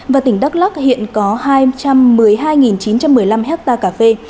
và tỉnh đắk lắc hiện có hai trăm một mươi hai chín trăm một mươi năm hectare cà phê